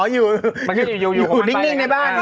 อยู่นิ่งในบ้าน